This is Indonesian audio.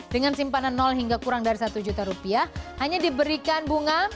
dengan simpanan hingga kurang dari satu juta rupiah hanya diberikan bunga